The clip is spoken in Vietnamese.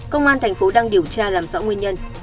công an tp đang điều tra làm rõ nguyên nhân